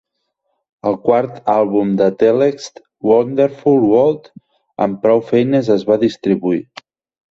El quart àlbum de Telex, "Wonderful World", amb prou feines es va distribuir.